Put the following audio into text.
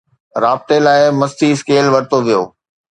رابطي لاءِ، مستي اسڪيل ورتو ويو